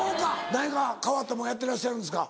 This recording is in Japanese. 何か変わったものやってらっしゃるんですか？